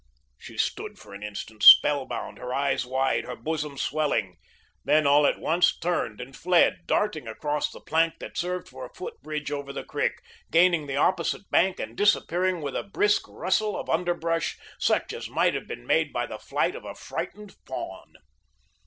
She stood for an instant, spellbound, her eyes wide, her bosom swelling; then, all at once, turned and fled, darting across the plank that served for a foot bridge over the creek, gaining the opposite bank and disappearing with a brisk rustle of underbrush, such as might have been made by the flight of a frightened fawn.